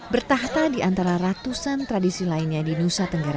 bertahta di antara ratusan tradisi lainnya di nusa tenggara